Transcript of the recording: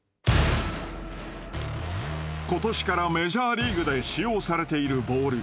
今年からメジャーリーグで使用されているボール。